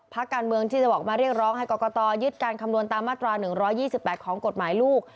พักการเมืองที่จะบอกมาเรียกร้องให้กรกตยึดการคำนวณตามมาตรา๑๒๘ของกฎหมายลูก